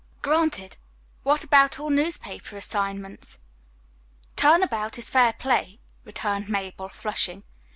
"Granted. What about all newspaper assignments?" "Turn about is fair play," returned Mabel, flushing.